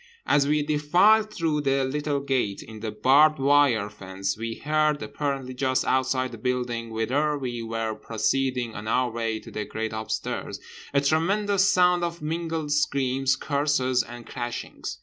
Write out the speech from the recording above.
As we defiled through the little gate in the barbed wire fence we heard, apparently just outside the building whither we were proceeding on our way to The Great Upstairs, a tremendous sound of mingled screams, curses and crashings.